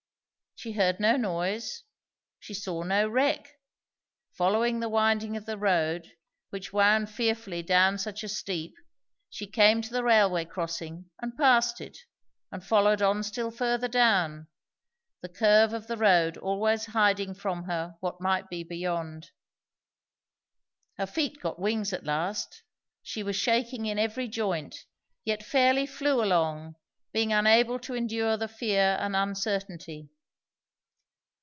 She heard no noise; she saw no wreck; following the winding of the road, which wound fearfully down such a steep, she came to the railway crossing and passed it, and followed on still further down; the curve of the road always hiding from her what might be beyond. Her feet got wings at last; she was shaking in every joint, yet fairly flew along, being unable to endure the fear and uncertainty.